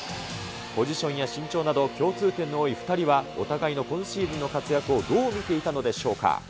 ポジションや身長など、共通点の多い２人は、お互いの今シーズンの活躍をどう見ていたのでしょうか。